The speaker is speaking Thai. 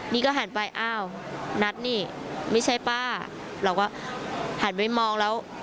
นี่ก็หันไปอ้าวนัทนี่ไม่ใช่ป้าเราก็หันไปมองแล้ว